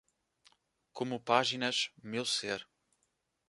Como páginas, meu ser.